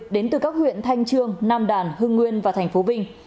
đến từ các huyện thanh trương nam đàn hương nguyên và tp binh